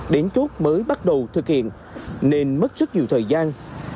đến chốt mới bắt đầu thực hiện nên mất rất nhiều thời gian